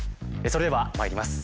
それではまいります。